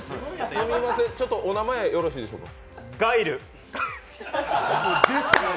すみません、ちょっとお名前よろしいでしょうか？